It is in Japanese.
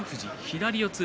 富士左四つ